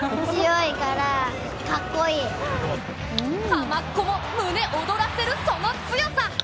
ハマっ子も胸躍らせる、その強さ。